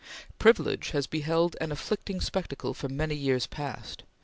Privilege has beheld an afflicting spectacle for many years past.